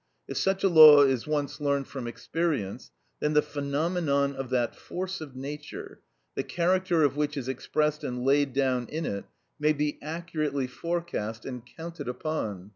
If such a law is once learned from experience, then the phenomenon of that force of nature, the character of which is expressed and laid down in it, may be accurately forecast and counted upon.